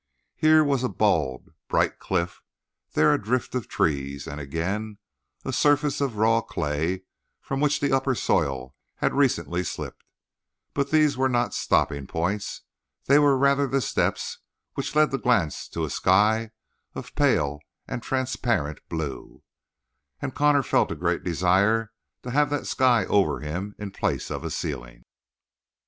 Here was a bald bright cliff, there a drift of trees, and again a surface of raw clay from which the upper soil had recently slipped; but these were not stopping points they were rather the steps which led the glance to a sky of pale and transparent blue, and Connor felt a great desire to have that sky over him in place of a ceiling.